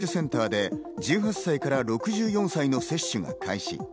先週木曜、大規模接種センターで１８歳から６４歳の接種が開始。